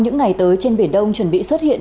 những ngày tới trên biển đông chuẩn bị xuất hiện